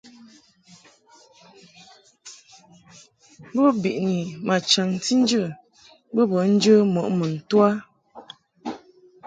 Bo biʼni ma chaŋti nje bo bə njə mɔʼ mun to a.